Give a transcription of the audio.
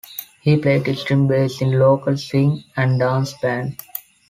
He played string bass in local swing and dance bands.